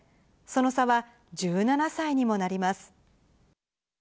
その差は１７歳にもなります。